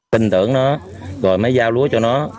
tình tưởng nó rồi mới giao lúa cho nó